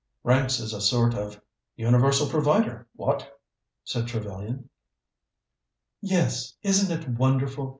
"Ranks as a sort of Universal Provider what?" said Trevellyan. "Yes; isn't it wonderful?"